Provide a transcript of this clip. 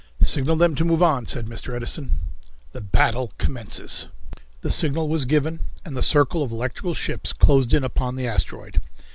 "Signal them to move on," said Mr. Edison. The Battle Commences. The signal was given, and the circle of electrical ships closed in upon the asteroid.